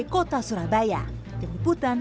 kota surabaya yang diputan